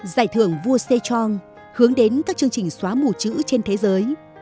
giải thưởng vua sechong hướng đến các chương trình xóa mù chữ trên thế giới